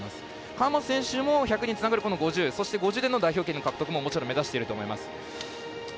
川本選手も１００につながる５０そして、代表権獲得ももちろん目指してると思います。